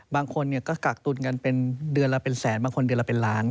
บางคนก็กักตุนกันเป็นเดือนละเป็นแสนบางคนเดือนละเป็นล้าน